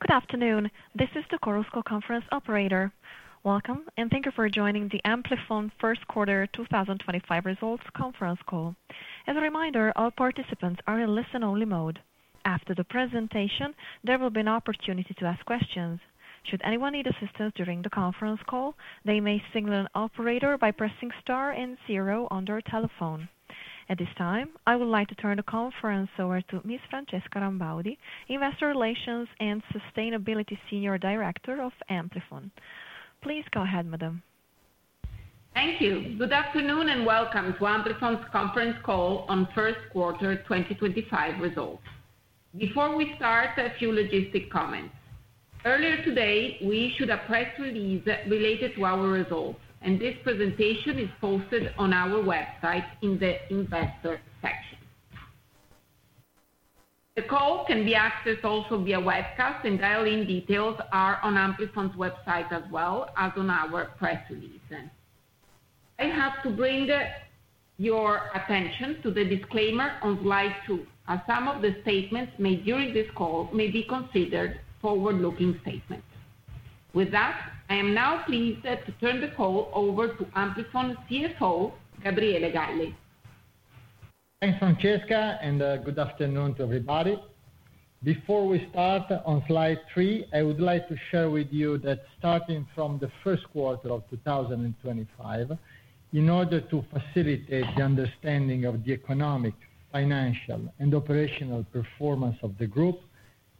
Good afternoon. This is the Chorus Conference Operator. Welcome, and thank you for joining the Amplifon First Quarter 2025 Results Conference Call. As a reminder, all participants are in listen-only mode. After the presentation, there will be an opportunity to ask questions. Should anyone need assistance during the conference call, they may signal an operator by pressing star and zero on their telephone. At this time, I would like to turn the conference over to Ms. Francesca Rambaudi, Investor Relations and Sustainability Senior Director of Amplifon. Please go ahead, madam. Thank you. Good afternoon and welcome to Amplifon's Conference Call on First Quarter 2025 Results. Before we start, a few logistic comments. Earlier today, we issued a press release related to our results, and this presentation is posted on our website in the Investor section. The call can be accessed also via webcast, and dial-in details are on Amplifon's website as well as on our press release. I have to bring your attention to the disclaimer on slide two, as some of the statements made during this call may be considered forward-looking statements. With that, I am now pleased to turn the call over to Amplifon CFO, Gabriele Galli. Thanks, Francesca, and good afternoon to everybody. Before we start on slide three, I would like to share with you that starting from the first quarter of 2025, in order to facilitate the understanding of the economic, financial, and operational performance of the group,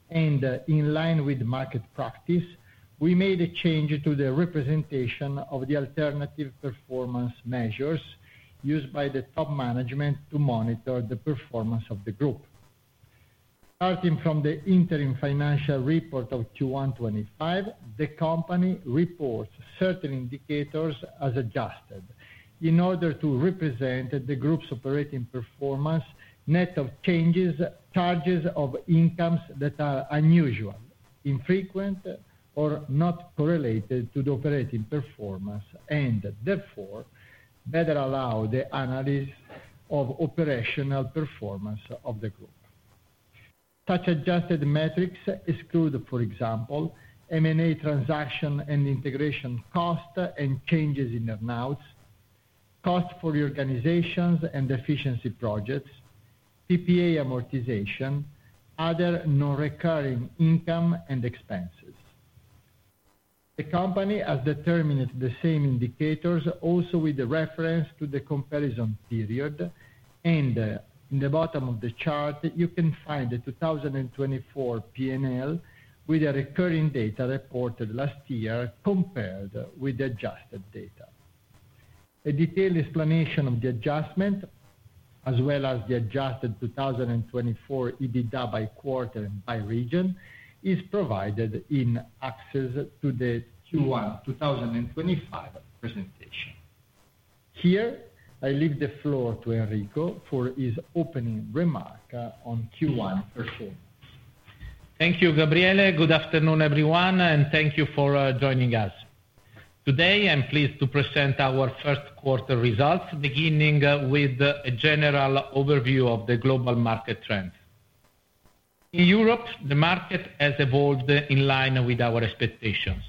and in line with market practice, we made a change to the representation of the alternative performance measures used by the top management to monitor the performance of the group. Starting from the interim financial report of Q1 2025, the company reports certain indicators as adjusted in order to represent the group's operating performance, net of changes, charges or incomes that are unusual, infrequent, or not correlated to the operating performance, and therefore better allow the analysis of operational performance of the group. Such adjusted metrics exclude, for example, M&A transaction and integration cost and changes in earnouts, cost for reorganizations and efficiency projects, PPA amortization, other non-recurring income and expenses. The company has determined the same indicators also with reference to the comparison period, and in the bottom of the chart, you can find the 2024 P&L with the recurring data reported last year compared with the adjusted data. A detailed explanation of the adjustment, as well as the adjusted 2024 EBITDA by quarter and by region, is provided in access to the Q1 2025 presentation. Here, I leave the floor to Enrico for his opening remark on Q1 performance. Thank you, Gabriele. Good afternoon, everyone, and thank you for joining us. Today, I'm pleased to present our first quarter results, beginning with a general overview of the global market trends. In Europe, the market has evolved in line with our expectations,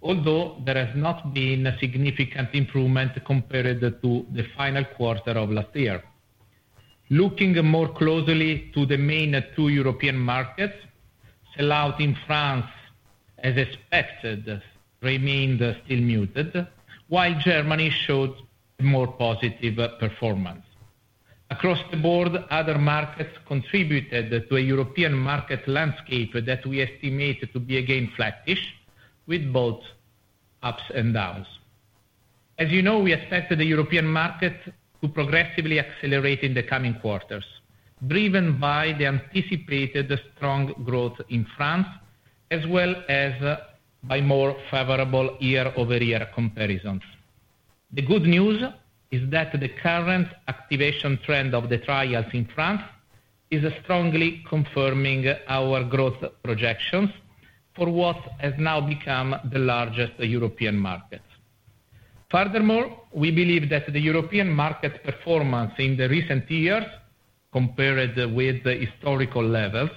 although there has not been a significant improvement compared to the final quarter of last year. Looking more closely to the main two European markets, sellout in France, as expected, remained still muted, while Germany showed a more positive performance. Across the board, other markets contributed to a European market landscape that we estimate to be again flattish, with both ups and downs. As you know, we expect the European market to progressively accelerate in the coming quarters, driven by the anticipated strong growth in France, as well as by more favorable year-over-year comparisons. The good news is that the current activation trend of the trials in France is strongly confirming our growth projections for what has now become the largest European market. Furthermore, we believe that the European market performance in the recent years, compared with historical levels,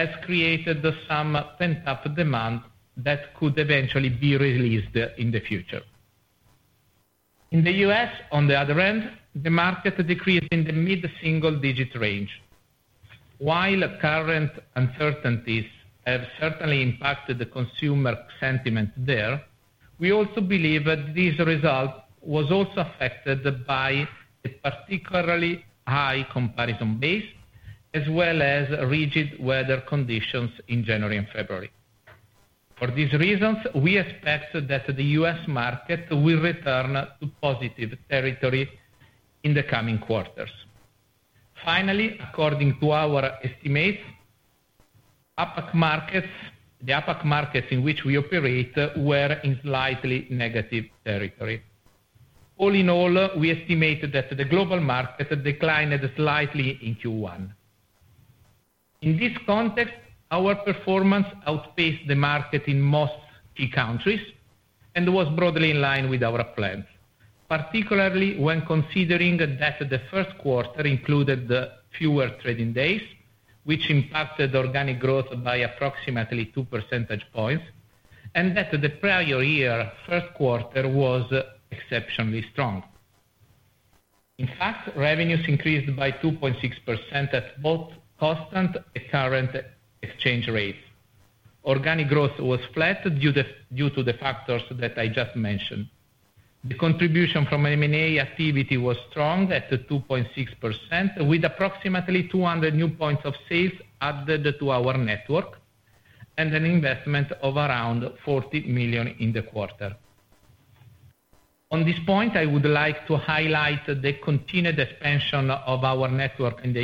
has created some pent-up demand that could eventually be released in the future. In the U.S. on the other hand, the market decreased in the mid-single-digit range. While current uncertainties have certainly impacted the consumer sentiment there, we also believe that this result was also affected by a particularly high comparison base, as well as rigid weather conditions in January and February. For these reasons, we expect that the U.S. market will return to positive territory in the coming quarters. Finally, according to our estimates, the APAC markets in which we operate were in slightly negative territory. All in all, we estimate that the global market declined slightly in Q1. In this context, our performance outpaced the market in most key countries and was broadly in line with our plans, particularly when considering that the first quarter included fewer trading days, which impacted organic growth by approximately 2 percentage points, and that the prior year's first quarter was exceptionally strong. In fact, revenues increased by 2.6% at both constant and current exchange rates. Organic growth was flat due to the factors that I just mentioned. The contribution from M&A activity was strong at 2.6%, with approximately 200 new points of sales added to our network and an investment of around 40 million in the quarter. On this point, I would like to highlight the continued expansion of our network in the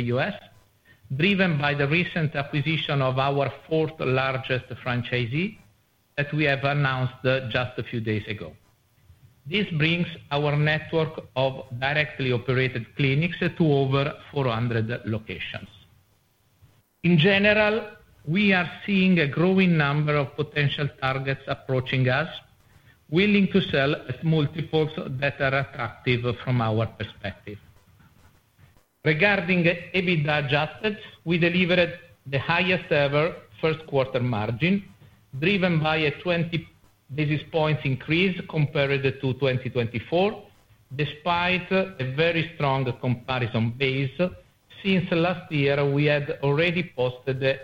U.S. driven by the recent acquisition of our fourth-largest franchisee that we have announced just a few days ago. This brings our network of directly operated clinics to over 400 locations. In general, we are seeing a growing number of potential targets approaching us, willing to sell at multiples that are attractive from our perspective. Regarding adjusted EBITDA, we delivered the highest-ever first-quarter margin, driven by a 20 basis points increase compared to 2024, despite a very strong comparison base. Since last year, we had already posted a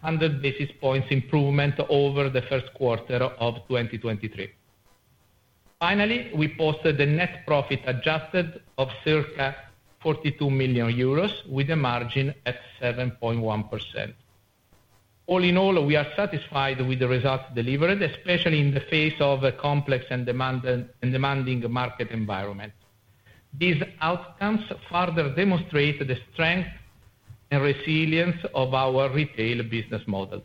100 basis points improvement over the first quarter of 2023. Finally, we posted a net profit adjusted of circa 42 million euros, with a margin at 7.1%. All in all, we are satisfied with the results delivered, especially in the face of a complex and demanding market environment. These outcomes further demonstrate the strength and resilience of our retail business model.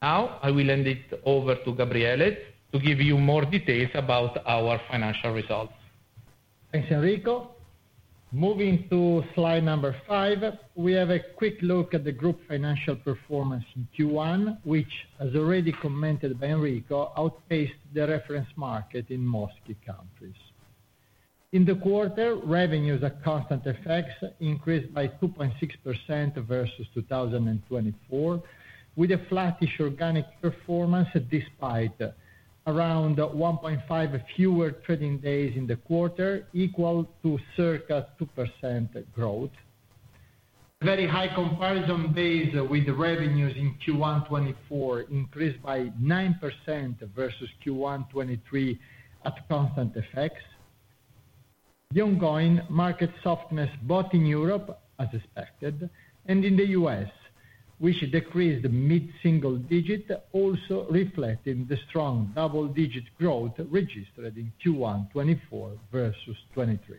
Now, I will hand it over to Gabriele to give you more details about our financial results. Thanks, Enrico. Moving to slide number five, we have a quick look at the group financial performance in Q1, which, as already commented by Enrico, outpaced the reference market in most key countries. In the quarter, revenues at constant effects increased by 2.6% versus 2024, with a flattish organic performance despite around one and a half fewer trading days in the quarter, equal to circa 2% growth. A very high comparison base with revenues in Q1 2024 increased by 9% versus Q1 2023 at constant effects. The ongoing market softness both in Europe, as expected, and in the U.S., which decreased mid-single digit, also reflecting the strong double-digit growth registered in Q1 2024 versus 2023.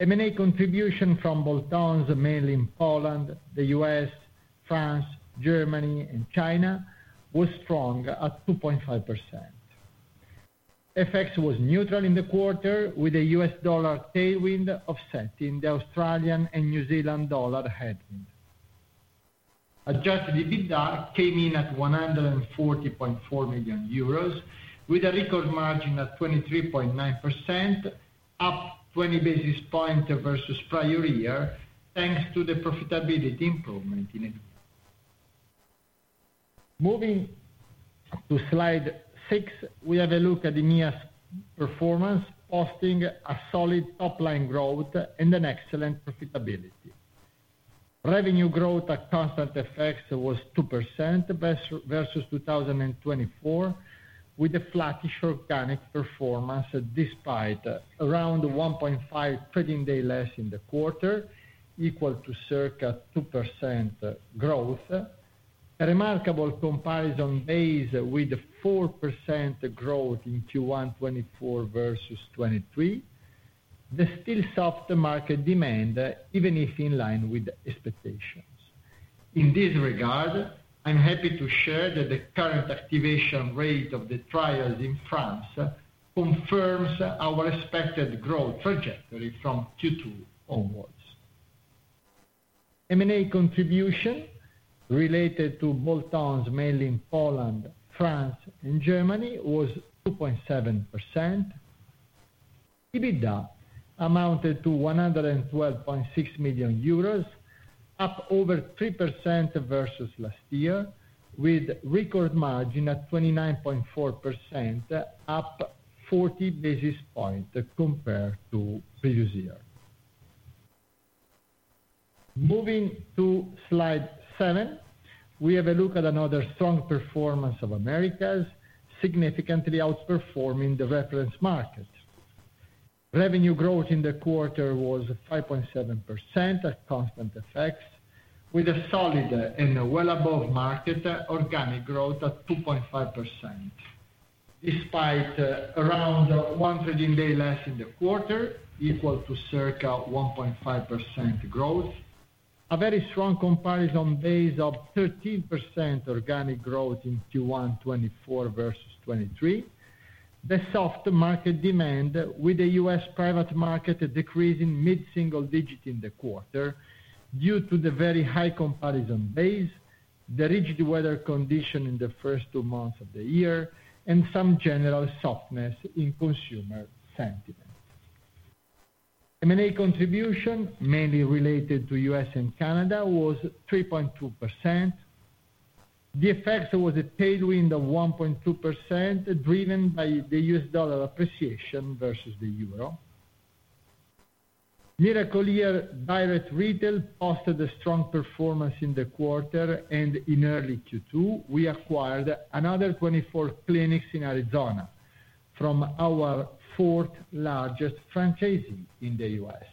M&A contribution from bolt-ons, mainly in Poland, the US, France, Germany, and China, was strong at 2.5%. Effects was neutral in the quarter, with a U.S. dollar tailwind offsetting the Australian and New Zealand dollar headwind. Adjusted EBITDA came in at 140.4 million euros, with a record margin at 23.9%, up 20 basis points versus prior year, thanks to the profitability improvement in it. Moving to slide six, we have a look at EMEA's performance, posting a solid top-line growth and an excellent profitability. Revenue growth at constant effects was 2% versus 2024, with a flattish organic performance despite around one-and-a-half trading days less in the quarter, equal to circa 2% growth. A remarkable comparison base with 4% growth in Q1 2024 versus 2023, but still soft market demand, even if in line with expectations. In this regard, I'm happy to share that the current activation rate of the trials in France confirms our expected growth trajectory from Q2 onwards. M&A contribution related to bolt-ons, mainly in Poland, France, and Germany, was 2.7%. EBITDA amounted to 112.6 million euros, up over 3% versus last year, with record margin at 29.4%, up 40 basis points compared to previous year. Moving to slide seven, we have a look at another strong performance of Americas, significantly outperforming the reference markets. Revenue growth in the quarter was 5.7% at constant effects, with a solid and well-above-market organic growth at 2.5%, despite around one trading day less in the quarter, equal to circa 1.5% growth. A very strong comparison base of 13% organic growth in Q1 2024 versus 2023. The soft market demand, with the U.S. private market decreasing mid-single digit in the quarter due to the very high comparison base, the rigid weather condition in the first two months of the year, and some general softness in consumer sentiment. M&A contribution, mainly related to U.S. and Canada, was 3.2%. The effects was a tailwind of 1.2%, driven by the USD appreciation versus the EUR. Miracle-Ear Direct Retail posted a strong performance in the quarter, and in early Q2, we acquired another 24 clinics in Arizona from our fourth-largest franchisee in the U.S.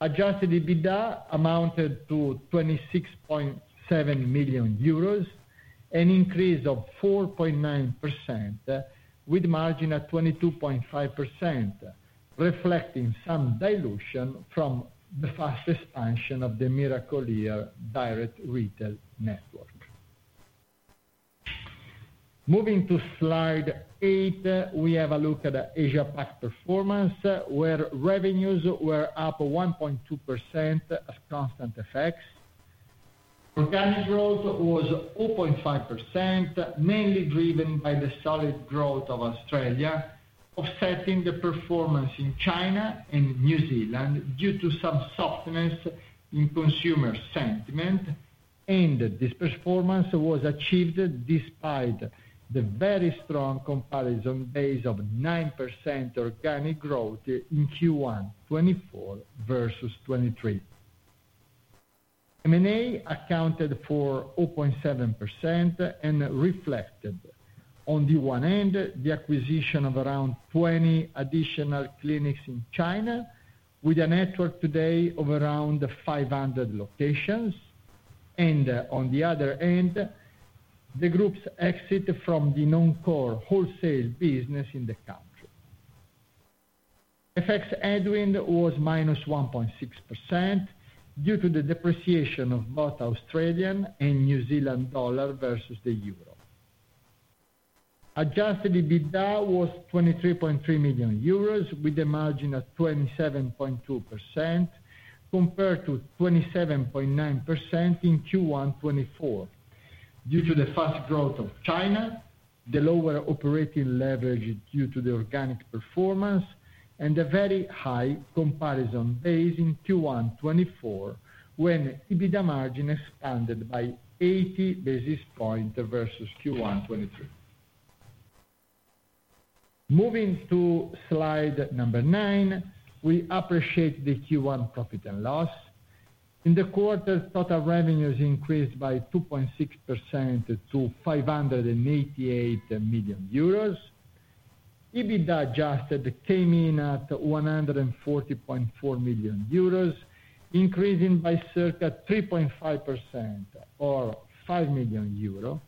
Adjusted EBITDA amounted to 26.7 million euros, an increase of 4.9%, with margin at 22.5%, reflecting some dilution from the fast expansion of the Miracle-Ear Direct Retail network. Moving to slide eight, we have a look at APAC performance, where revenues were up 1.2% at constant effects. Organic growth was 0.5%, mainly driven by the solid growth of Australia, offsetting the performance in China and New Zealand due to some softness in consumer sentiment. This performance was achieved despite the very strong comparison base of 9% organic growth in Q1 2024 versus 2023. M&A accounted for 0.7% and reflected, on the one end, the acquisition of around 20 additional clinics in China, with a network today of around 500 locations. On the other end, the group's exit from the non-core wholesale business in the country. Effects headwind was -1.6% due to the depreciation of both Australian and New Zealand dollar versus the euro. Adjusted EBITDA was 23.3 million euros, with a margin of 27.2%, compared to 27.9% in Q1 2024 due to the fast growth of China, the lower operating leverage due to the organic performance, and a very high comparison base in Q1 2024, when EBITDA margin expanded by 80 basis points versus Q1 2023. Moving to slide number nine, we appreciate the Q1 profit and loss. In the quarter, total revenues increased by 2.6% to 588 million euros. Adjusted EBITDA came in at 140.4 million euros, increasing by circa 3.5%, or 5 million euro,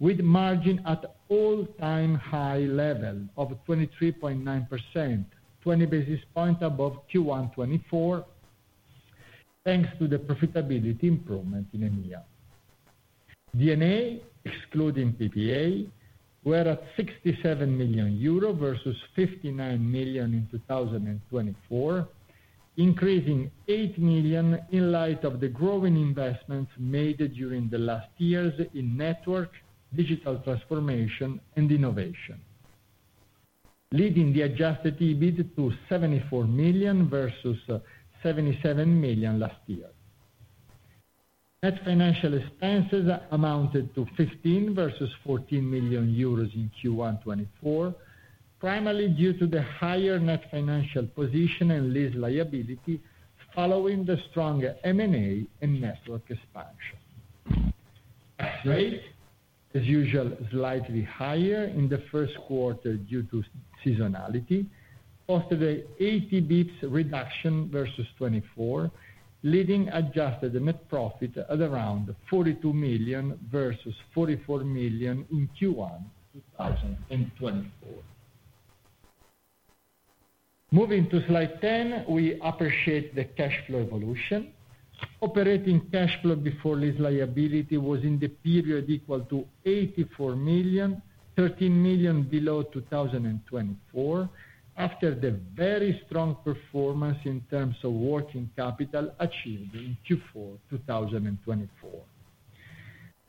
with margin at all-time high level of 23.9%, 20 basis points above Q1 2024, thanks to the profitability improvement in EMEA. DNA, excluding PPA, were at 67 million euro versus 59 million in 2024, increasing 8 million in light of the growing investments made during the last years in network, digital transformation, and innovation, leading the adjusted EBIT to 74 million versus 77 million last year. Net financial expenses amounted to 15 million versus 14 million euros in Q1 2024, primarily due to the higher net financial position and lease liability following the strong M&A and network expansion. Tax rate, as usual, slightly higher in the first quarter due to seasonality, posted an 80 basis points reduction versus 2024, leading adjusted net profit at around 42 million versus 44 million in Q1 2024. Moving to slide 10, we appreciate the cash flow evolution. Operating cash flow before lease liability was in the period equal to 84 million, 13 million below 2024, after the very strong performance in terms of working capital achieved in Q4 2024.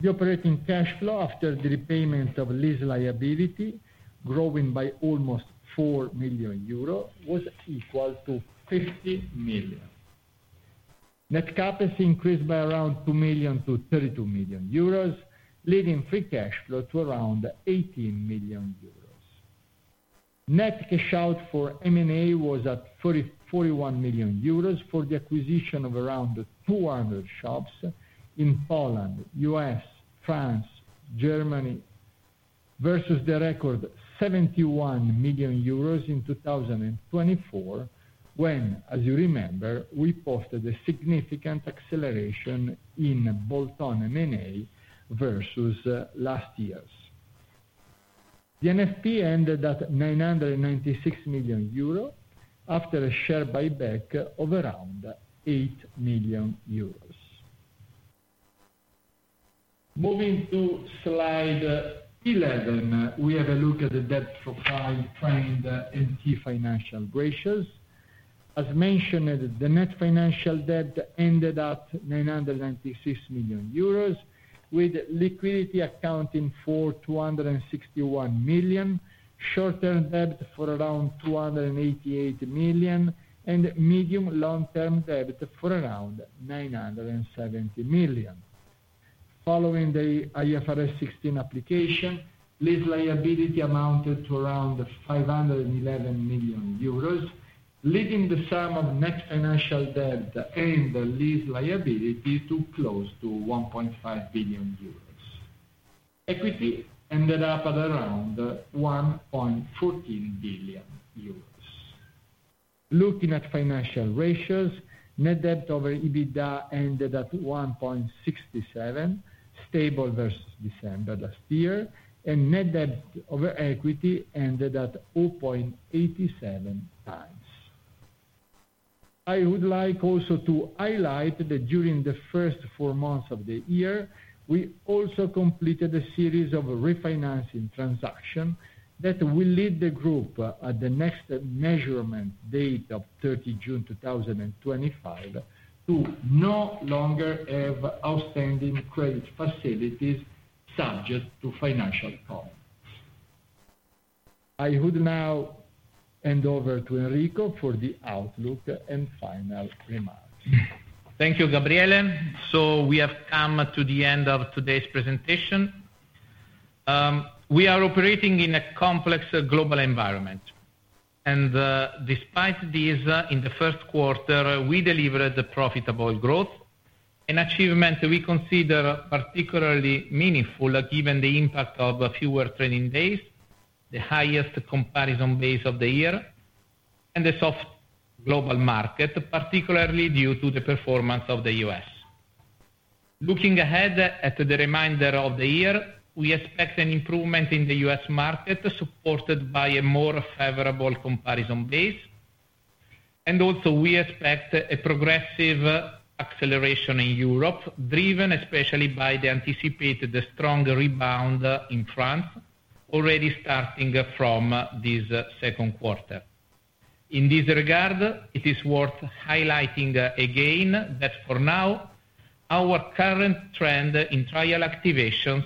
The operating cash flow, after the repayment of lease liability, growing by almost 4 million euros, was equal to 50 million. Net cap has increased by around 2 million to 32 million euros, leading free cash flow to around 18 million euros. Net cash out for M&A was at 41 million euros for the acquisition of around 200 shops in Poland, U.S., France, Germany, versus the record 71 million euros in 2024, when, as you remember, we posted a significant acceleration in bolt-on M&A versus last year's. The NFP ended at 996 million euro after a share buyback of around 8 million euros. Moving to slide 11, we have a look at the debt profile framed MT Financial ratios. As mentioned, the net financial debt ended at 996 million euros, with liquidity accounting for 261 million, short-term debt for around 288 million, and medium-long-term debt for around 970 million. Following the IFRS 16 application, lease liability amounted to around 511 million euros, leading the sum of net financial debt and lease liability to close to 1.5 billion euros. Equity ended up at around 1.14 billion euros. Looking at financial ratios, net debt over EBITDA ended at 1.67, stable versus December last year, and net debt over equity ended at 0.87 times. I would like also to highlight that during the first four months of the year, we also completed a series of refinancing transactions that will lead the group, at the next measurement date of 30 June 2025, to no longer have outstanding credit facilities subject to financial commitments. I would now hand over to Enrico for the outlook and final remarks. Thank you, Gabriele. We have come to the end of today's presentation. We are operating in a complex global environment. Despite this, in the first quarter, we delivered profitable growth, an achievement we consider particularly meaningful given the impact of fewer trading days, the highest comparison base of the year, and the soft global market, particularly due to the performance of the U.S. Looking ahead at the remainder of the year, we expect an improvement in the U.S. market supported by a more favorable comparison base. We also expect a progressive acceleration in Europe, driven especially by the anticipated strong rebound in France, already starting from this second quarter. In this regard, it is worth highlighting again that, for now, our current trend in trial activations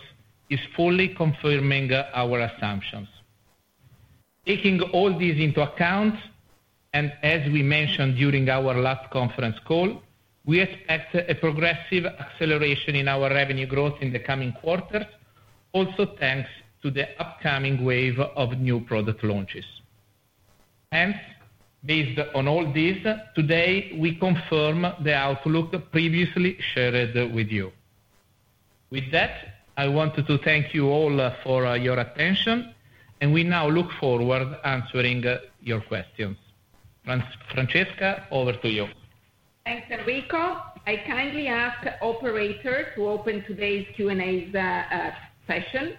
is fully confirming our assumptions. Taking all these into account, and as we mentioned during our last conference call, we expect a progressive acceleration in our revenue growth in the coming quarters, also thanks to the upcoming wave of new product launches. Hence, based on all this, today, we confirm the outlook previously shared with you. With that, I wanted to thank you all for your attention, and we now look forward to answering your questions. Francesca, over to you. Thanks, Enrico. I kindly ask operators to open today's Q&A session.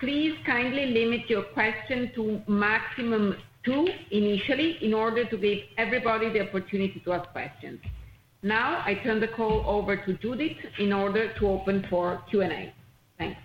Please kindly limit your question to maximum two initially in order to give everybody the opportunity to ask questions. Now, I turn the call over to Judith in order to open for Q&A. Thanks.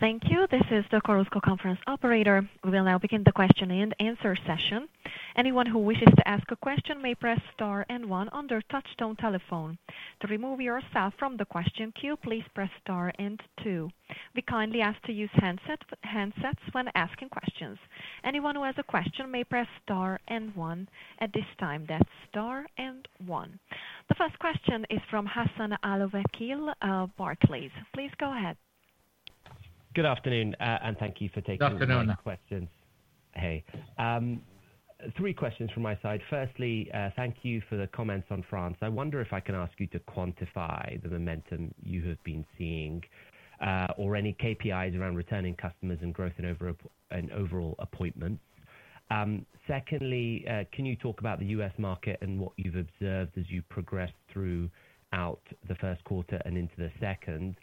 Thank you. This is the Chorus Conference Operator. We will now begin the question and answer session. Anyone who wishes to ask a question may press star and one on their touch-tone telephone. To remove yourself from the question queue, please press star and two. We kindly ask you to use handsets when asking questions. Anyone who has a question may press star and one at this time. That is star and one. The first question is from Hassan Al-Wakeel, Barclays. Please go ahead. Good afternoon, and thank you for taking the time. Good afternoon. For answering my questions. Hey. Three questions from my side. Firstly, thank you for the comments on France. I wonder if I can ask you to quantify the momentum you have been seeing, or any KPIs around returning customers and growth and overall appointments. Secondly, can you talk about the U.S. market and what you've observed as you progressed throughout the first quarter and into the second?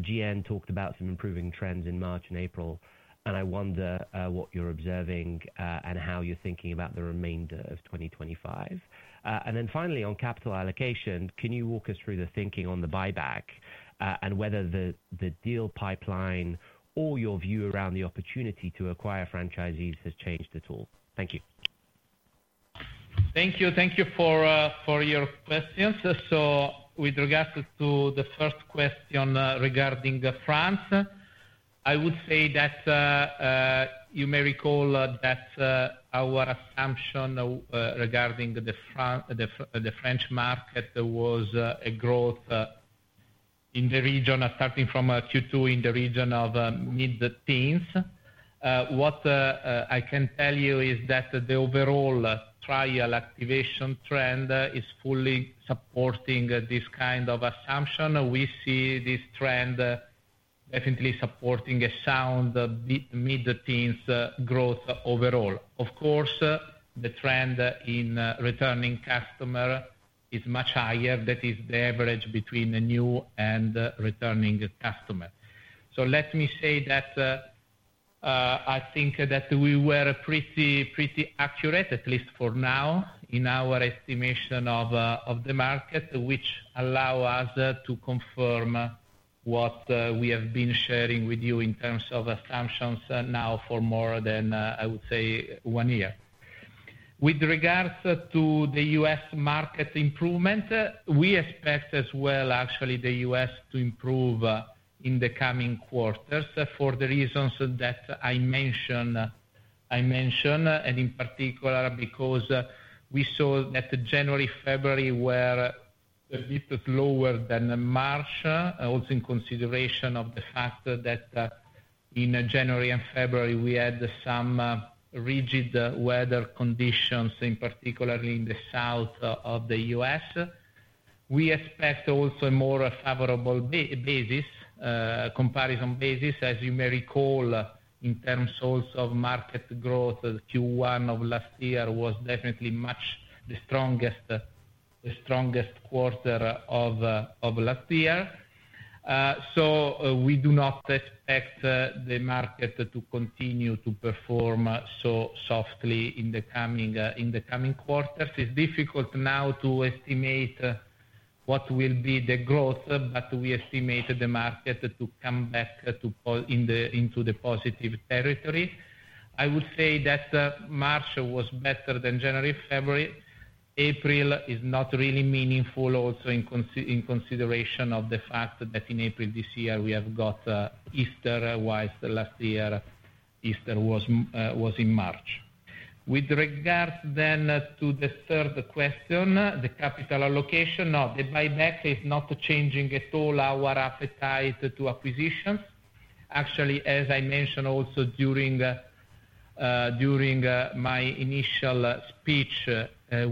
[Jian] talked about some improving trends in March and April, and I wonder what you're observing and how you're thinking about the remainder of 2025. Finally, on capital allocation, can you walk us through the thinking on the buyback and whether the deal pipeline or your view around the opportunity to acquire franchisees has changed at all? Thank you. Thank you. Thank you for your questions. With regards to the first question regarding France, I would say that you may recall that our assumption regarding the French market was a growth in the region, starting from Q2 in the region of mid-teens. What I can tell you is that the overall trial activation trend is fully supporting this kind of assumption. We see this trend definitely supporting a sound mid-teens growth overall. Of course, the trend in returning customers is much higher. That is the average between new and returning customers. Let me say that I think that we were pretty accurate, at least for now, in our estimation of the market, which allows us to confirm what we have been sharing with you in terms of assumptions now for more than, I would say, one year. With regards to the U.S. market improvement, we expect as well, actually, the U.S. to improve in the coming quarters for the reasons that I mentioned, and in particular because we saw that January-February were a bit lower than March, also in consideration of the fact that in January and February, we had some rigid weather conditions, particularly in the south of the US. We expect also a more favorable basis, comparison basis, as you may recall, in terms also of market growth. Q1 of last year was definitely the strongest quarter of last year. We do not expect the market to continue to perform so softly in the coming quarters. It's difficult now to estimate what will be the growth, but we estimate the market to come back into the positive territory. I would say that March was better than January-February. April is not really meaningful also in consideration of the fact that in April this year, we have got Easter whilst last year, Easter was in March. With regards then to the third question, the capital allocation, no, the buyback is not changing at all our appetite to acquisitions. Actually, as I mentioned also during my initial speech,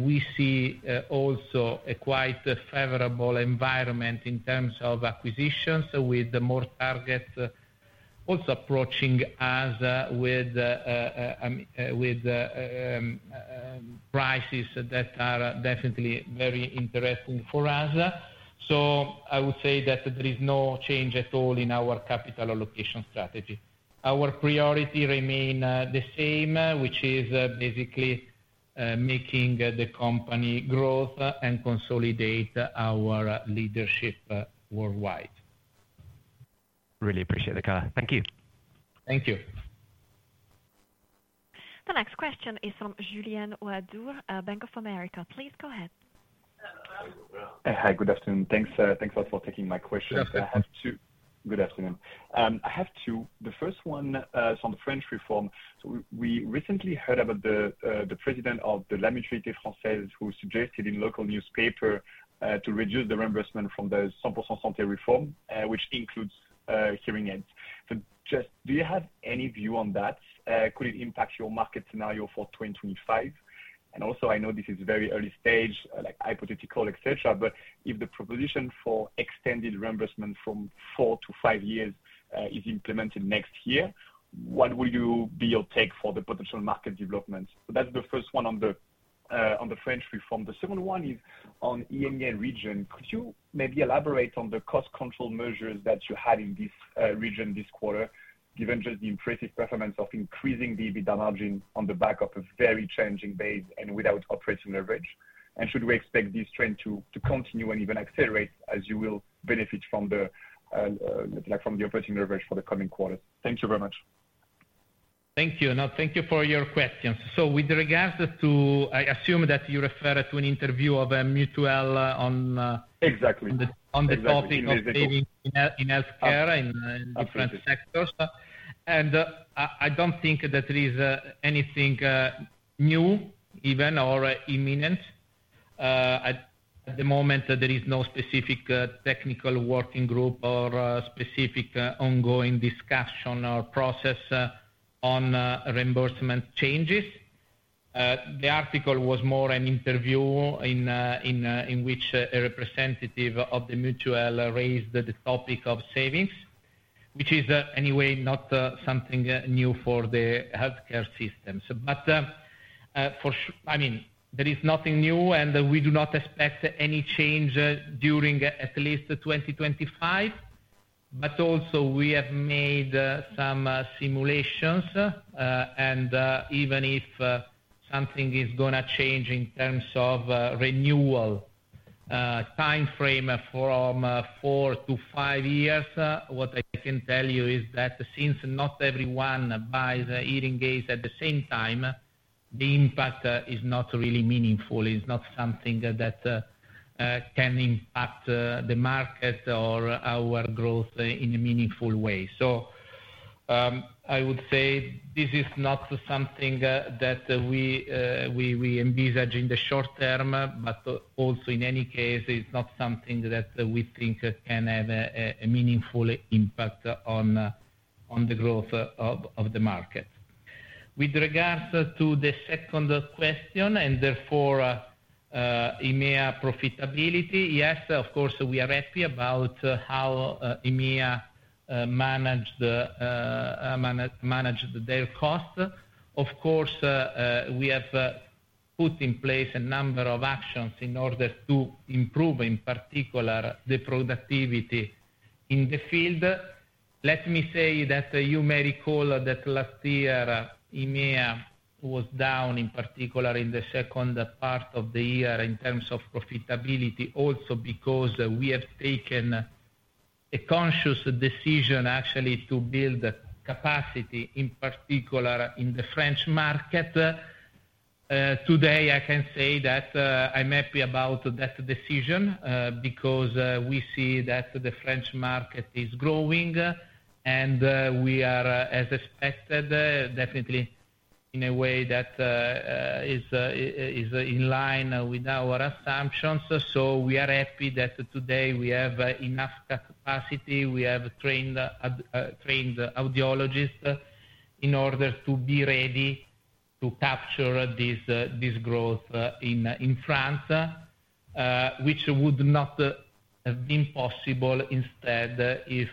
we see also a quite favorable environment in terms of acquisitions with more targets also approaching us with prices that are definitely very interesting for us. I would say that there is no change at all in our capital allocation strategy. Our priority remains the same, which is basically making the company grow and consolidate our leadership worldwide. Really appreciate it, Enrico. Thank you. Thank you. The next question is from Julien Ouaddour, Bank of America. Please go ahead. Hi, good afternoon. Thanks a lot for taking my question. Sure, please. Good afternoon. I have two. The first one is on the French reform. We recently heard about the president of de La Mutualité Française who suggested in local newspapers to reduce the reimbursement from the 100% Santé reform, which includes hearing aids. Do you have any view on that? Could it impact your market scenario for 2025? I know this is very early stage, hypothetical, etc., but if the proposition for extended reimbursement from four to five years is implemented next year, what will be your take for the potential market development? That is the first one on the French reform. The second one is on the EMEA region. Could you maybe elaborate on the cost control measures that you had in this region this quarter, given just the impressive performance of increasing the EBITDA margin on the back of a very challenging base and without operating leverage? Should we expect this trend to continue and even accelerate as you will benefit from the operating leverage for the coming quarters? Thank you very much. Thank you. No, thank you for your questions. With regards to, I assume that you referred to an interview of Mutualité on. Exactly. On the topic of savings in healthcare in different sectors. Exactly. I don't think that there is anything new, even, or imminent. At the moment, there is no specific technical working group or specific ongoing discussion or process on reimbursement changes. The article was more an interview in which a representative of the Mutualité raised the topic of savings, which is, anyway, not something new for the healthcare systems. I mean, there is nothing new, and we do not expect any change during at least 2025. Also, we have made some simulations, and even if something is going to change in terms of renewal timeframe from four to five years, what I can tell you is that since not everyone buys hearing aids at the same time, the impact is not really meaningful. It's not something that can impact the market or our growth in a meaningful way. I would say this is not something that we envisage in the short term, but also, in any case, it's not something that we think can have a meaningful impact on the growth of the market. With regards to the second question, and therefore EMEA profitability, yes, of course, we are happy about how EMEA managed their costs. Of course, we have put in place a number of actions in order to improve, in particular, the productivity in the field. Let me say that you may recall that last year, EMEA was down, in particular, in the second part of the year in terms of profitability, also because we have taken a conscious decision, actually, to build capacity, in particular, in the French market. Today, I can say that I'm happy about that decision because we see that the French market is growing, and we are, as expected, definitely in a way that is in line with our assumptions. We are happy that today we have enough capacity. We have trained audiologists in order to be ready to capture this growth in France, which would not have been possible instead if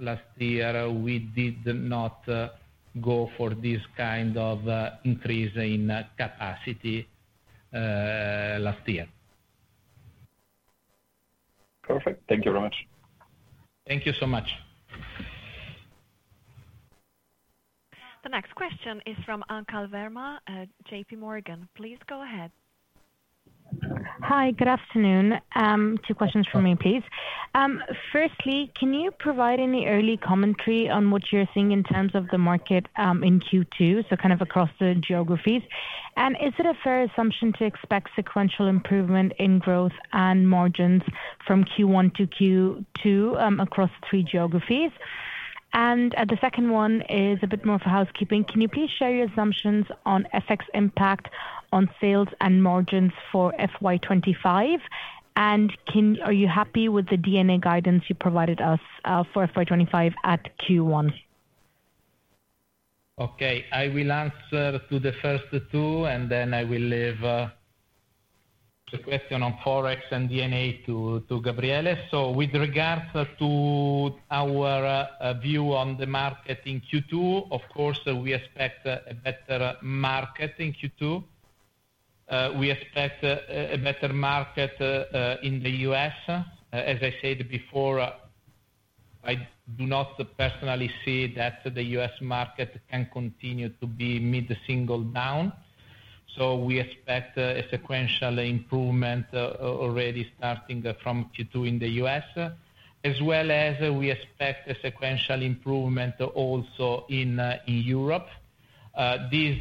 last year we did not go for this kind of increase in capacity last year. Perfect. Thank you very much. Thank you so much. The next question is from Anchal Verma, JPMorgan. Please go ahead. Hi, good afternoon. Two questions for me, please. Firstly, can you provide any early commentary on what you're seeing in terms of the market in Q2, so kind of across the geographies? Is it a fair assumption to expect sequential improvement in growth and margins from Q1 to Q2 across three geographies? The second one is a bit more for housekeeping. Can you please share your assumptions on FX impact on sales and margins for FY2025? Are you happy with the DNA guidance you provided us for FY2025 at Q1? Okay. I will answer to the first two, and then I will leave the question on Forex and DNA to Gabriele. With regards to our view on the market in Q2, of course, we expect a better market in Q2. We expect a better market in the U.S. As I said before, I do not personally see that the U.S. market can continue to be mid-single down. We expect a sequential improvement already starting from Q2 in the U.S. as well as we expect a sequential improvement also in Europe. This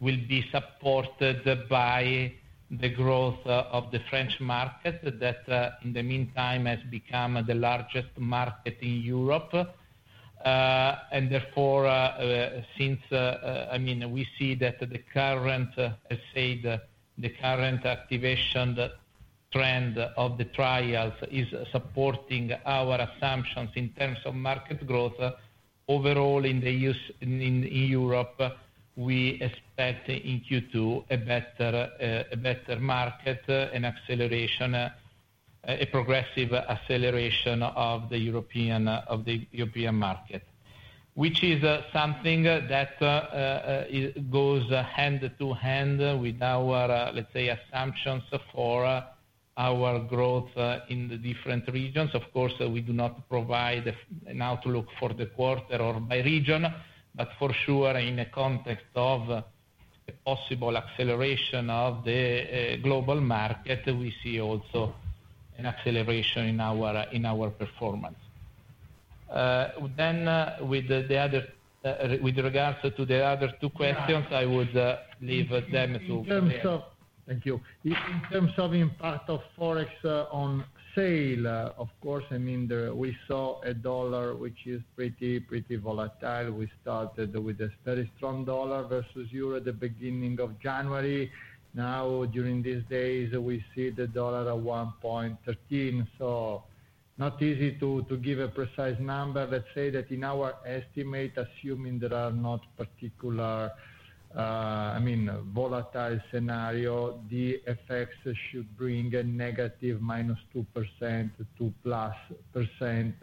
will be supported by the growth of the French market that, in the meantime, has become the largest market in Europe. Therefore, since, I mean, we see that the current, as I said, the current activation trend of the trials is supporting our assumptions in terms of market growth. Overall, in Europe, we expect in Q2 a better market and acceleration, a progressive acceleration of the European market, which is something that goes hand in hand with our, let's say, assumptions for our growth in the different regions. Of course, we do not provide an outlook for the quarter or by region, but for sure, in the context of a possible acceleration of the global market, we see also an acceleration in our performance. With regards to the other two questions, I would leave them to Gabriele. Thank you. In terms of impact of Forex on sale, of course, I mean, we saw a dollar which is pretty volatile. We started with a very strong dollar versus euro at the beginning of January. Now, during these days, we see the dollar at 1.13. Not easy to give a precise number. Let's say that in our estimate, assuming there are not particular, I mean, volatile scenarios, the effects should bring a negative -2% to +%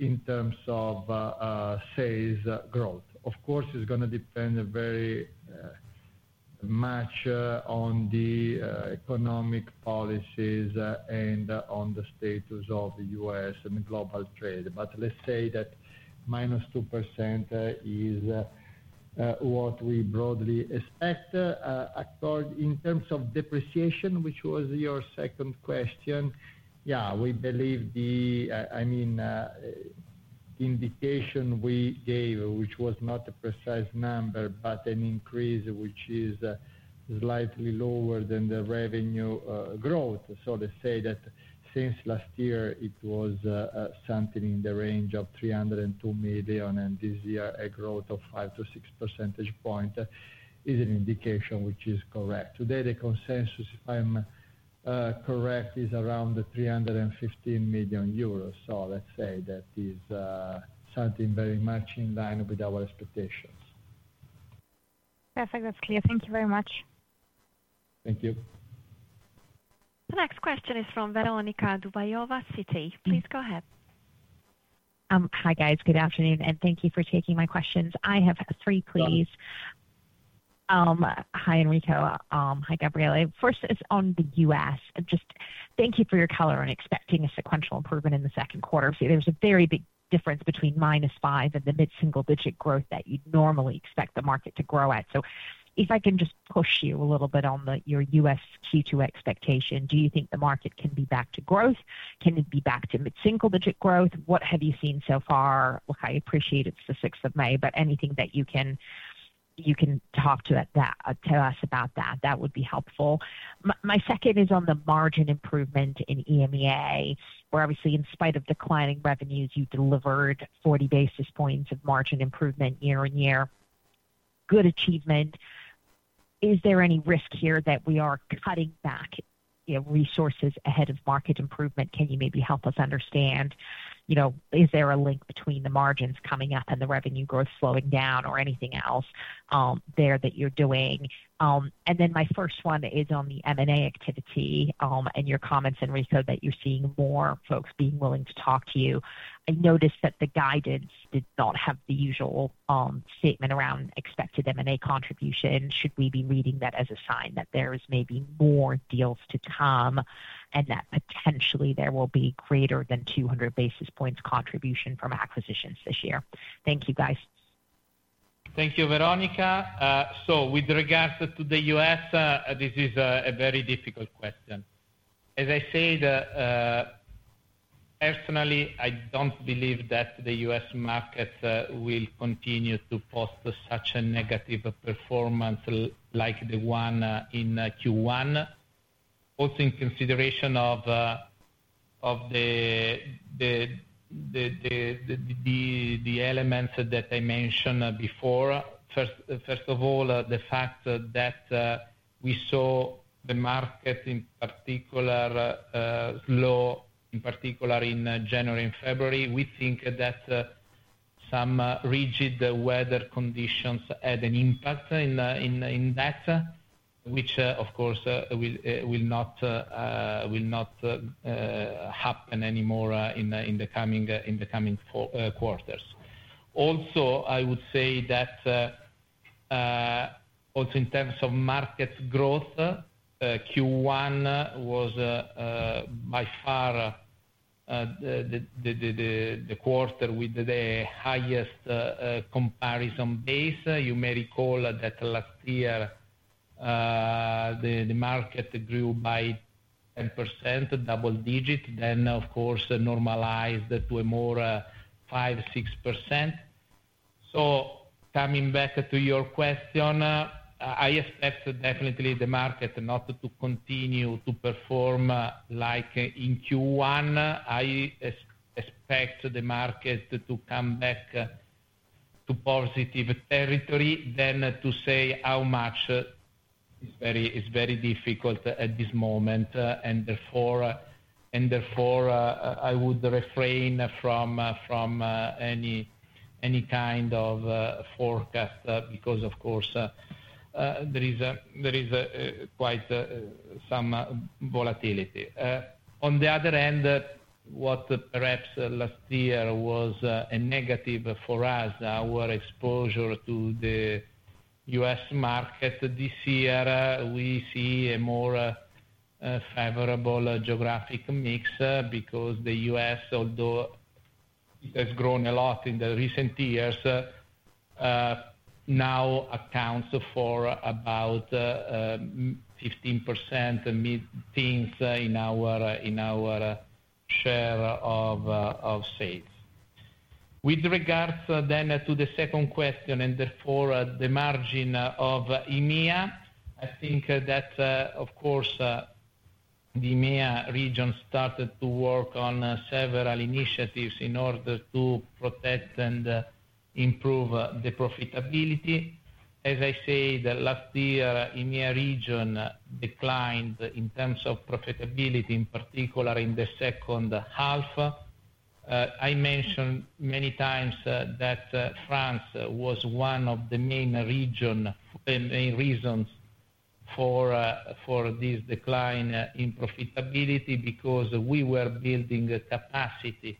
in terms of sales growth. Of course, it's going to depend very much on the economic policies and on the status of the U.S. and global trade. Let's say that -2% is what we broadly expect. In terms of depreciation, which was your second question, yeah, we believe the, I mean, indication we gave, which was not a precise number, but an increase which is slightly lower than the revenue growth. Let's say that since last year, it was something in the range of 302 million, and this year, a growth of 5-6 percentage points is an indication which is correct. Today, the consensus, if I'm correct, is around 315 million euros. Let's say that is something very much in line with our expectations. Perfect. That's clear. Thank you very much. Thank you. The next question is from Veronika Dubajova, CT. Please go ahead. Hi, guys. Good afternoon, and thank you for taking my questions. I have three, please. Hi, Enrico. Hi, Gabriele. First is on the U.S. Just thank you for your color on expecting a sequential improvement in the second quarter. There's a very big difference between minus 5 and the mid-single digit growth that you'd normally expect the market to grow at. If I can just push you a little bit on your U.S. Q2 expectation, do you think the market can be back to growth? Can it be back to mid-single digit growth? What have you seen so far? Look, I appreciate it's the 6th of May, but anything that you can talk to us about that, that would be helpful. My second is on the margin improvement in EMEA, where obviously, in spite of declining revenues, you delivered 40 basis points of margin improvement year on year. Good achievement. Is there any risk here that we are cutting back resources ahead of market improvement? Can you maybe help us understand? Is there a link between the margins coming up and the revenue growth slowing down or anything else there that you're doing? My first one is on the M&A activity and your comments, Enrico, that you're seeing more folks being willing to talk to you. I noticed that the guidance did not have the usual statement around expected M&A contribution. Should we be reading that as a sign that there is maybe more deals to come and that potentially there will be greater than 200 basis points contribution from acquisitions this year? Thank you, guys. Thank you, Veronika. With regards to the U.S. This is a very difficult question. As I said, personally, I do not believe that the U.S. market will continue to post such a negative performance like the one in Q1, also in consideration of the elements that I mentioned before. First of all, the fact that we saw the market in particular slow, in particular, in January and February, we think that some rigid weather conditions had an impact in that, which, of course, will not happen anymore in the coming quarters. Also, I would say that also in terms of market growth, Q1 was by far the quarter with the highest comparison base. You may recall that last year, the market grew by 10%, double-digit, then, of course, normalized to a more 5-6%. Coming back to your question, I expect definitely the market not to continue to perform like in Q1. I expect the market to come back to positive territory, then to say how much is very difficult at this moment. Therefore, I would refrain from any kind of forecast because, of course, there is quite some volatility. On the other hand, what perhaps last year was a negative for us, our exposure to the U.S. market, this year, we see a more favorable geographic mix because the US, although it has grown a lot in the recent years, now accounts for about 15% mid-teens in our share of sales. With regards then to the second question, and therefore the margin of EMEA, I think that, of course, the EMEA region started to work on several initiatives in order to protect and improve the profitability. As I said, last year, EMEA region declined in terms of profitability, in particular, in the second half. I mentioned many times that France was one of the main reasons for this decline in profitability because we were building capacity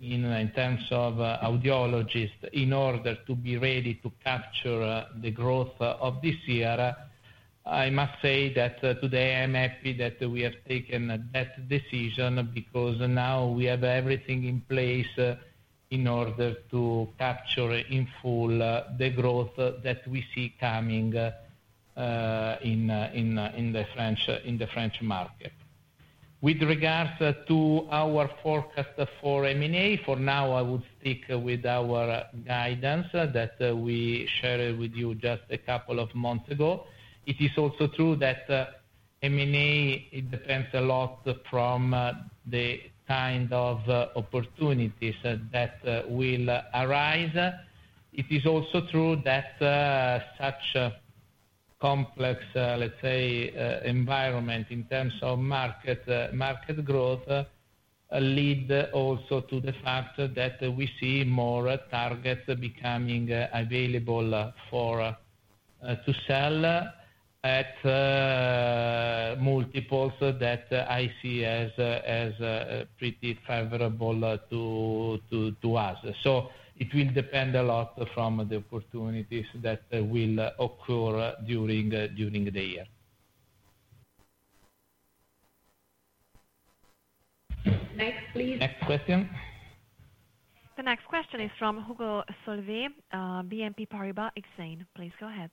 in terms of audiologists in order to be ready to capture the growth of this year. I must say that today, I'm happy that we have taken that decision because now we have everything in place in order to capture in full the growth that we see coming in the French market. With regards to our forecast for M&A, for now, I would stick with our guidance that we shared with you just a couple of months ago. It is also true that M&A depends a lot from the kind of opportunities that will arise. It is also true that such complex, let's say, environment in terms of market growth leads also to the fact that we see more targets becoming available to sell at multiples that I see as pretty favorable to us. It will depend a lot from the opportunities that will occur during the year. Next, please. Next question. The next question is from Hugo Solvet, BNP Paribas Exane. Please go ahead.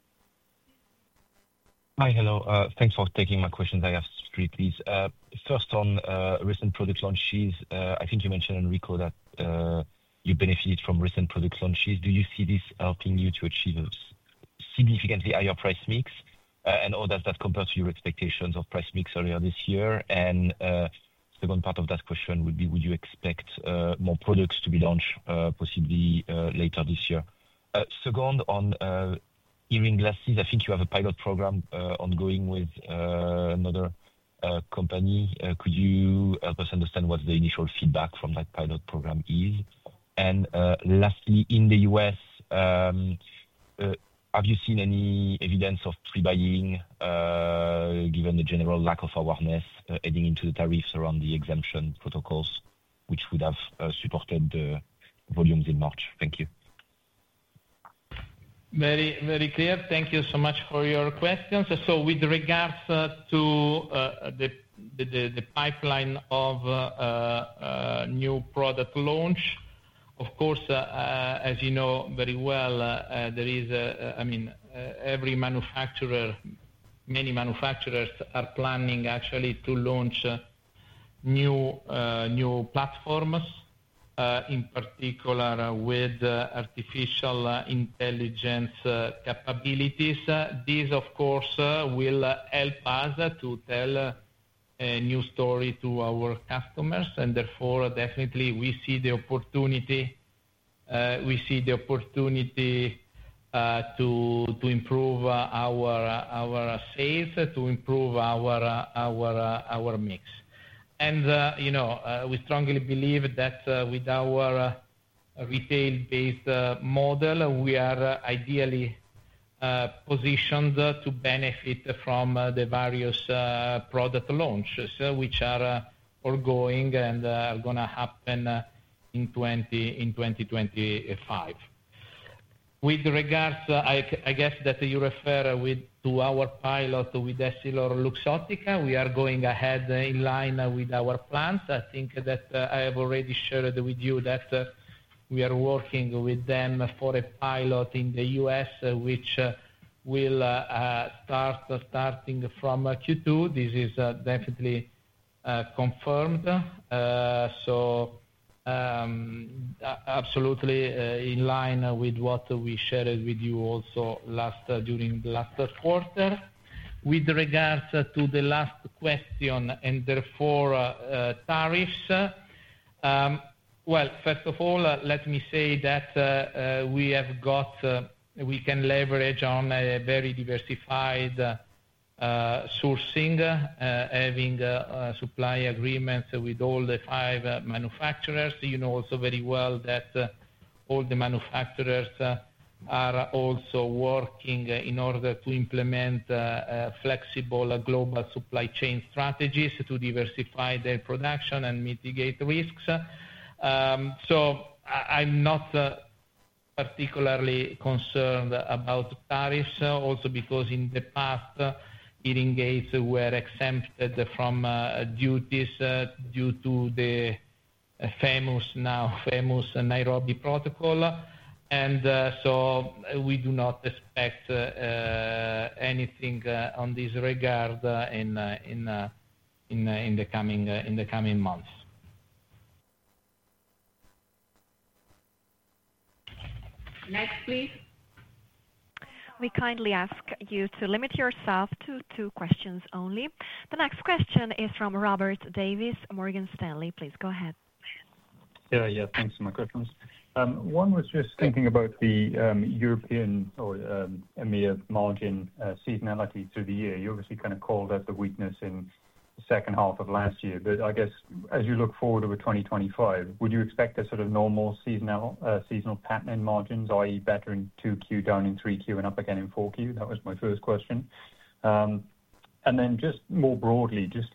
Hi, hello. Thanks for taking my question directly, please. First on recent product launches, I think you mentioned, Enrico, that you benefited from recent product launches. Do you see this helping you to achieve a significantly higher price mix? How does that compare to your expectations of price mix earlier this year? The second part of that question would be, would you expect more products to be launched possibly later this year? Second, on hearing glasses, I think you have a pilot program ongoing with another company. Could you help us understand what the initial feedback from that pilot program is? Lastly, in the US, have you seen any evidence of pre-buying given the general lack of awareness heading into the tariffs around the exemption protocols, which would have supported the volumes in March? Thank you. Very clear. Thank you so much for your questions. With regards to the pipeline of new product launch, of course, as you know very well, there is, I mean, every manufacturer, many manufacturers are planning actually to launch new platforms, in particular, with artificial intelligence capabilities. This, of course, will help us to tell a new story to our customers. Therefore, definitely, we see the opportunity to improve our sales, to improve our mix. We strongly believe that with our retail-based model, we are ideally positioned to benefit from the various product launches which are ongoing and are going to happen in 2025. With regards, I guess that you refer to our pilot with EssilorLuxottica, we are going ahead in line with our plans. I think that I have already shared with you that we are working with them for a pilot in the US, which will start starting from Q2. This is definitely confirmed. Absolutely in line with what we shared with you also during the last quarter. With regards to the last question and therefore tariffs, first of all, let me say that we can leverage on a very diversified sourcing, having supply agreements with all the five manufacturers. You know also very well that all the manufacturers are also working in order to implement flexible global supply chain strategies to diversify their production and mitigate risks. I'm not particularly concerned about tariffs, also because in the past, hearing aids were exempted from duties due to the now famous Nairobi Protocol. We do not expect anything on this regard in the coming months. Next, please. We kindly ask you to limit yourself to two questions only. The next question is from Robert Davies, Morgan Stanley. Please go ahead. Yeah, thanks for my questions. One was just thinking about the European or EMEA margin seasonality through the year. You obviously kind of called out the weakness in the second half of last year. I guess as you look forward over 2025, would you expect a sort of normal seasonal pattern in margins, i.e., better in 2Q, down in 3Q, and up again in 4Q? That was my first question. Just more broadly, just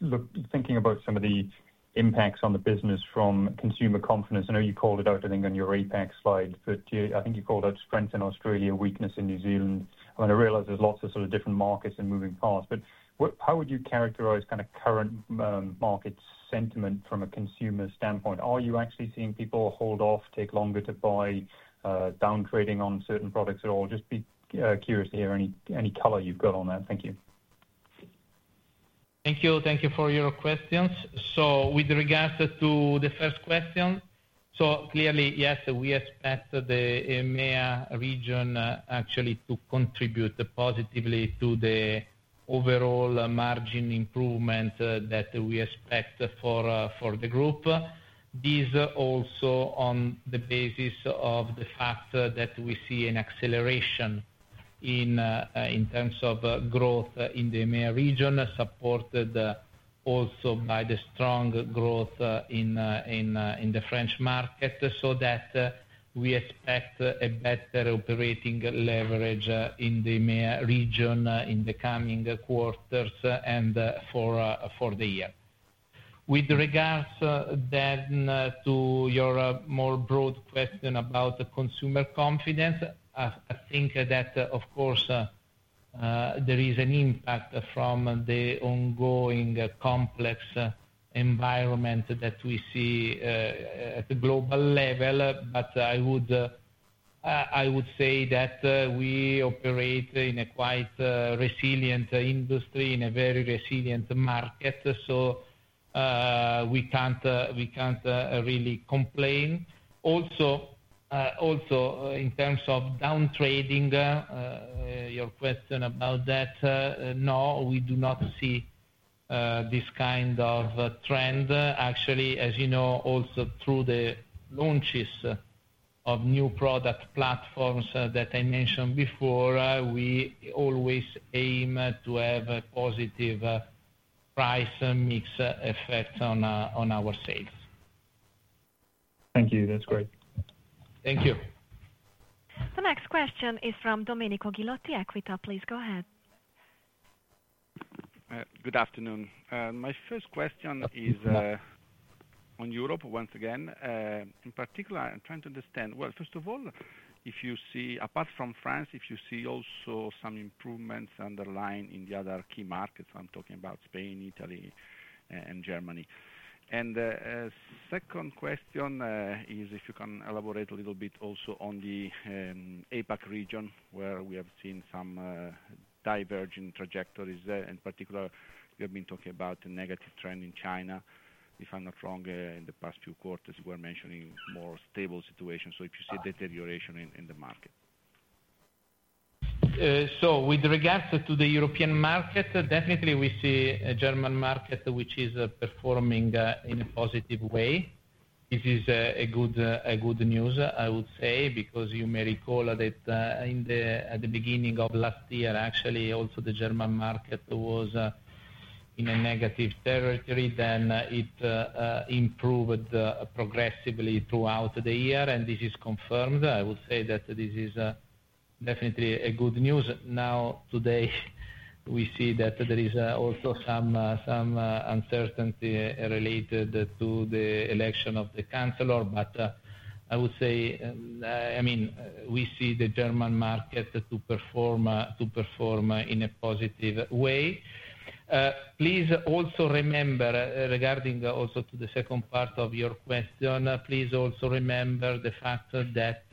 thinking about some of the impacts on the business from consumer confidence. I know you called it out, I think, on your APAC slide, but I think you called out strength in Australia, weakness in New Zealand. I mean, I realize there's lots of sort of different markets and moving parts, but how would you characterize kind of current market sentiment from a consumer standpoint? Are you actually seeing people hold off, take longer to buy, downtrading on certain products at all? Just be curious to hear any color you've got on that. Thank you. Thank you. Thank you for your questions. With regards to the first question, clearly, yes, we expect the EMEA region actually to contribute positively to the overall margin improvement that we expect for the group. This also on the basis of the fact that we see an acceleration in terms of growth in the EMEA region, supported also by the strong growth in the French market, so that we expect a better operating leverage in the EMEA region in the coming quarters and for the year. With regards then to your more broad question about consumer confidence, I think that, of course, there is an impact from the ongoing complex environment that we see at the global level. I would say that we operate in a quite resilient industry, in a very resilient market, so we can't really complain. Also, in terms of downtrading, your question about that, no, we do not see this kind of trend. Actually, as you know, also through the launches of new product platforms that I mentioned before, we always aim to have a positive price mix effect on our sales. Thank you. That's great. Thank you. The next question is from Domenico Ghilotti, Equita. Please go ahead. Good afternoon. My first question is on Europe once again. In particular, I'm trying to understand, first of all, apart from France, if you see also some improvements underlying in the other key markets. I'm talking about Spain, Italy, and Germany. My second question is if you can elaborate a little bit also on the APAC region, where we have seen some diverging trajectories. In particular, you have been talking about a negative trend in China. If I'm not wrong, in the past few quarters, you were mentioning more stable situation. If you see a deterioration in the market. With regards to the European market, definitely we see a German market which is performing in a positive way. This is good news, I would say, because you may recall that at the beginning of last year, actually, also the German market was in a negative territory, then it improved progressively throughout the year. This is confirmed. I would say that this is definitely good news. Now, today, we see that there is also some uncertainty related to the election of the Chancellor. I would say, I mean, we see the German market to perform in a positive way. Please also remember, regarding also to the second part of your question, please also remember the fact that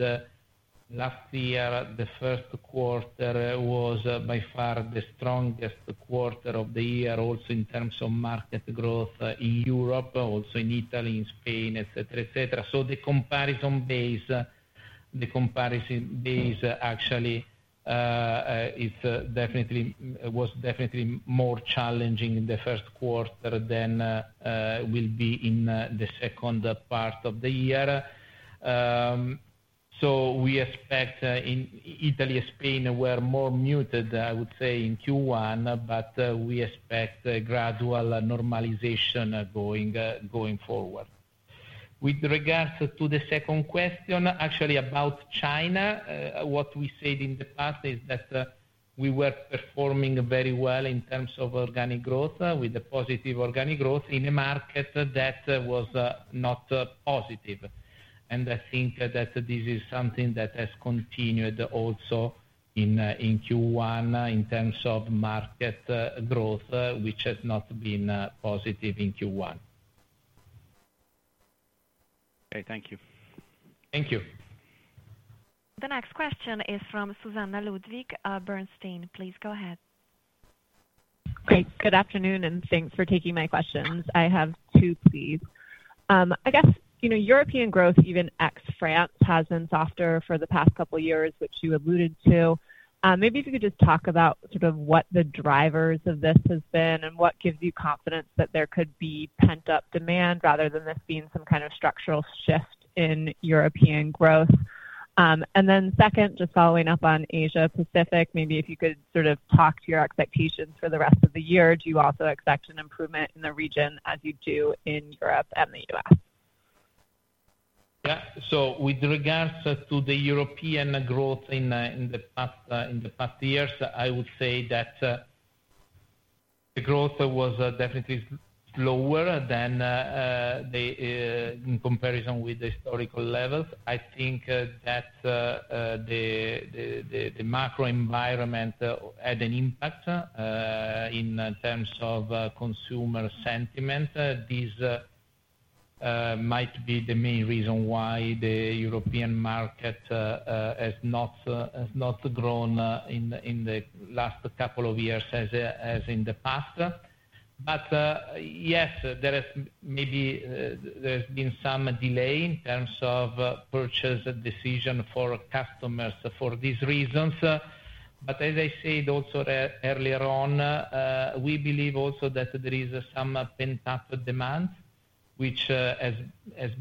last year, the first quarter was by far the strongest quarter of the year, also in terms of market growth in Europe, also in Italy, in Spain, etc., etc. The comparison base actually was definitely more challenging in the first quarter than will be in the second part of the year. We expect in Italy, Spain were more muted, I would say, in Q1, but we expect gradual normalization going forward. With regards to the second question, actually about China, what we said in the past is that we were performing very well in terms of organic growth, with a positive organic growth in a market that was not positive. I think that this is something that has continued also in Q1 in terms of market growth, which has not been positive in Q1. Okay. Thank you. Thank you. The next question is from Susannah Ludwig from Bernstein. Please go ahead. Okay. Good afternoon, and thanks for taking my questions. I have two, please. I guess European growth, even ex-France, has been softer for the past couple of years, which you alluded to. Maybe if you could just talk about sort of what the drivers of this have been and what gives you confidence that there could be pent-up demand rather than this being some kind of structural shift in European growth. Then second, just following up on Asia-Pacific, maybe if you could sort of talk to your expectations for the rest of the year, do you also expect an improvement in the region as you do in Europe and the U.S.? Yeah. With regards to the European growth in the past years, I would say that the growth was definitely slower than in comparison with the historical levels. I think that the macro environment had an impact in terms of consumer sentiment. This might be the main reason why the European market has not grown in the last couple of years as in the past. Yes, maybe there has been some delay in terms of purchase decision for customers for these reasons. As I said also earlier on, we believe also that there is some pent-up demand, which has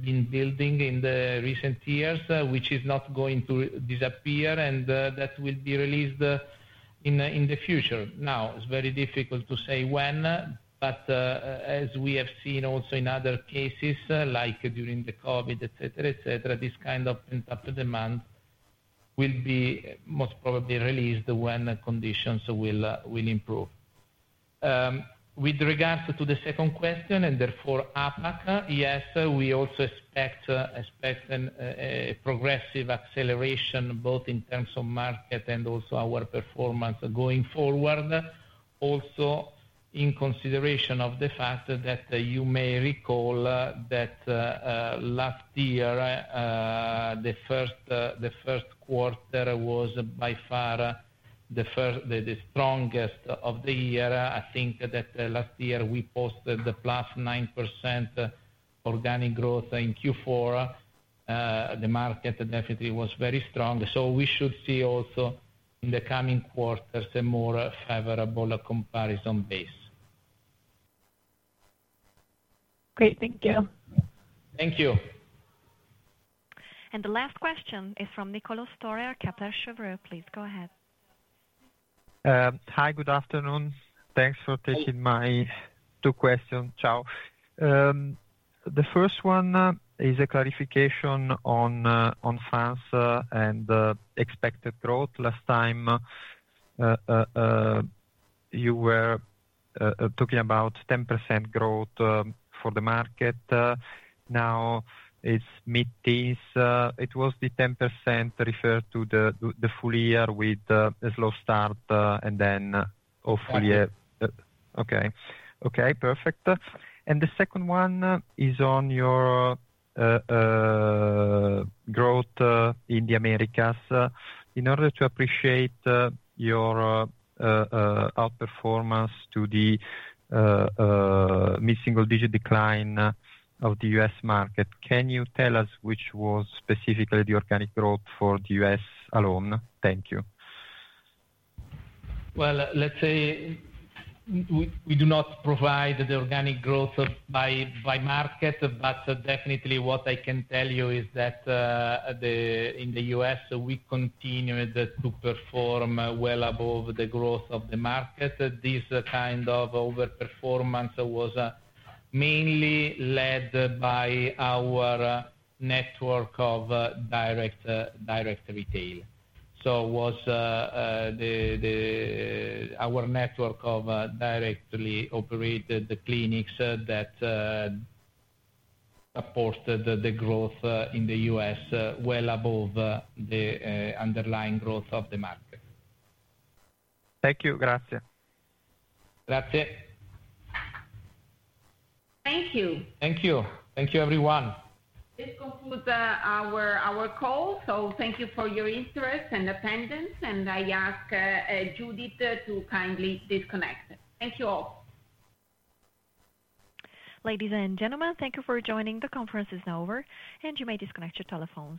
been building in the recent years, which is not going to disappear and that will be released in the future. Now, it's very difficult to say when, but as we have seen also in other cases, like during the COVID, etc., etc., this kind of pent-up demand will be most probably released when conditions will improve. With regards to the second question, and therefore APAC, yes, we also expect a progressive acceleration both in terms of market and also our performance going forward. Also in consideration of the fact that you may recall that last year, the first quarter was by far the strongest of the year. I think that last year we posted the plus 9% organic growth in Q4. The market definitely was very strong. We should see also in the coming quarters a more favorable comparison base. Great. Thank you. Thank you. The last question is from Niccolò Storer, Kepler Cheuvreux. Please go ahead. Hi, good afternoon. Thanks for taking my two questions. Ciao. The first one is a clarification on France and expected growth. Last time, you were talking about 10% growth for the market. Now, it's mid-teens. Was the 10% referred to the full year with a slow start and then hopefully. Yes. Okay. Okay. Perfect. The second one is on your growth in the Americas. In order to appreciate your outperformance to the mid-single-digit decline of the U.S. market, can you tell us which was specifically the organic growth for the U.S. alone? Thank you. Let's say we do not provide the organic growth by market, but definitely what I can tell you is that in the US, we continued to perform well above the growth of the market. This kind of overperformance was mainly led by our network of direct retail. It was our network of directly operated clinics that supported the growth in the U.S. well above the underlying growth of the market. Thank you. Grazie. Grazia. Thank you. Thank you. Thank you, everyone. This concludes our call. Thank you for your interest and attendance. I ask Judith to kindly disconnect. Thank you all. Ladies and gentlemen, thank you for joining. The conference is now over, and you may disconnect your telephones.